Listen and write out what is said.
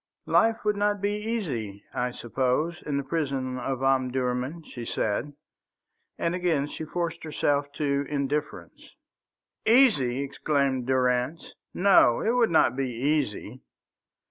"Life would not be easy, I suppose, in the prison of Omdurman," she said, and again she forced herself to indifference. "Easy!" exclaimed Durrance; "no, it would not be easy.